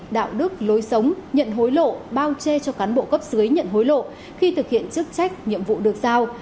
đạo đức lối sống nhận hối lộ bao che cho cán bộ cấp dưới nhận hối lộ khi thực hiện chức trách nhiệm vụ được giao